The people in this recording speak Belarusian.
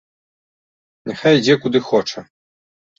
Няхай ідзе, куды хоча.